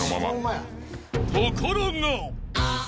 ［ところが］